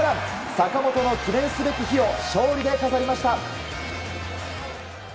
坂本の記念すべき日を勝利で飾りました。